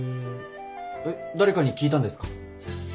えっ誰かに聞いたんですか？